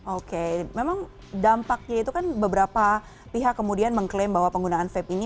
oke memang dampaknya itu kan beberapa pihak kemudian mengklaim bahwa penggunaan vape ini